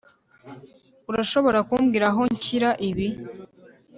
urashobora kumbwira aho nshyira ibi